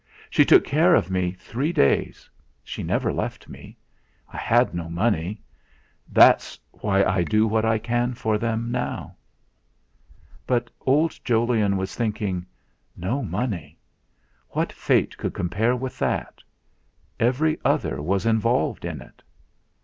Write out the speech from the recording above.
She took care of me three days she never left me. I had no money. That's why I do what I can for them, now." But old Jolyon was thinking: 'No money!' What fate could compare with that? Every other was involved in it.